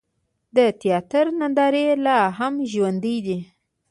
د تیاتر نندارې لا هم ژوندۍ دي.